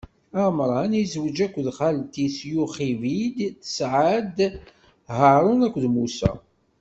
Ɛamṛam izweǧ akked xalti-s Yuxibid, tesɛa-as-d: Haṛun akked Musa.